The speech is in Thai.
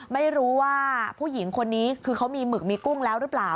ไม่รู้ว่าผู้หญิงคนนี้คือเขามีหมึกมีกุ้งแล้วหรือเปล่า